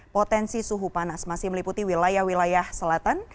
potensi suhu panas masih meliputi wilayah wilayah selatan